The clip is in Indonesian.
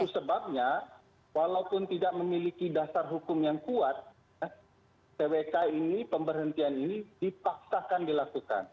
sebabnya walaupun tidak memiliki dasar hukum yang kuat twk ini pemberhentian ini dipaksakan dilakukan